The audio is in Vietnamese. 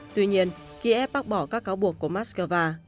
tuy nhiên kiev bác bỏ các cáo buộc của moscow